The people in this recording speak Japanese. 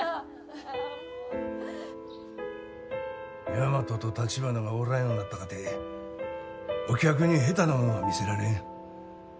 大和と橘がおらんようになったかてお客に下手なもんは見せられん。